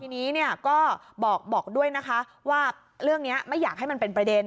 ทีนี้ก็บอกด้วยนะคะว่าเรื่องนี้ไม่อยากให้มันเป็นประเด็น